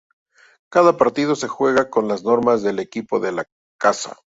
Cada partido se juega con las normas del equipo de casa.